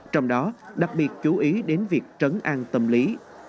trong đó đặc biệt chú ý đến việc trấn an tâm lý